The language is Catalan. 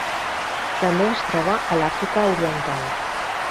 També es troba a l'Àfrica oriental.